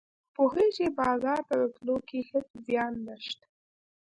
پوهیږې بازار ته تلو کې هیڅ زیان نشته